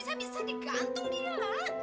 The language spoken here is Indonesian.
bisa bisa digantung dia lah